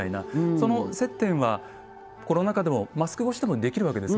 その接点はコロナ禍でもマスク越しでもできるわけですもんね。